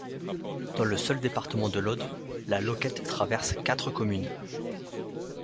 Dans le seul département de l'Aude, la Lauquette traverse quatre communes.